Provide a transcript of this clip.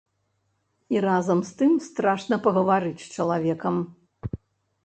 І разам з тым страшна пагаварыць з чалавекам.